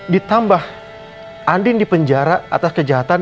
ditambah adin di penjara atas kejahatan